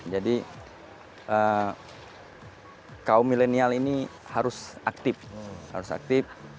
jadi kaum milenial ini harus aktif